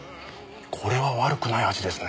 これは悪くない味ですね。